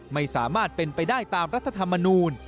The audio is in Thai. ไม่สามารถเป็นไปได้ตามรัฐธรรมนูล